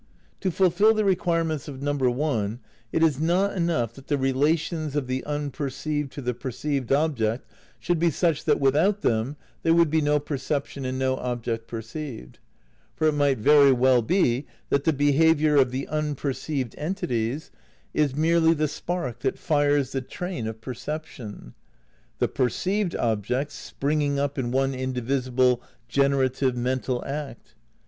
To fulfil the requirements of (1) it is not enough that the relations of the unperceived to the perceived object should be such that without them there would be no perception and no object perceived. For it might very weU be that the behaviour of the unperceived entities is merely the spark that fires the train of perception ; the perceived objects springing up in one indivisible gene rative mental act.